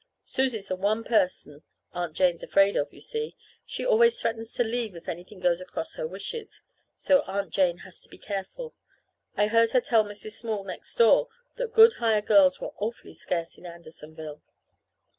Susie's the one person Aunt Jane's afraid of, you see. She always threatens to leave if anything goes across her wishes. So Aunt Jane has to be careful. I heard her tell Mrs. Small next door that good hired girls were awfully scarce in Andersonville.